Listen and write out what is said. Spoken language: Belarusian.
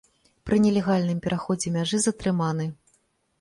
Пры нелегальным пераходзе мяжы затрыманы.